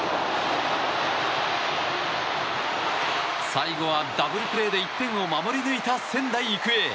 最後はダブルプレーで１点を守り抜いた仙台育英。